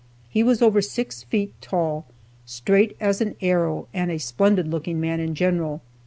He was over six feet tall, straight as an arrow, and a splendid looking man in general.